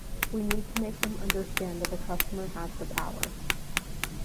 We need to make them understand that the customer has the power.